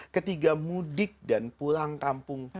ketika mudik dan pulang kampung